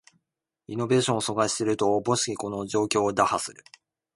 イノベーションを阻害していると思しきこの状況を打破する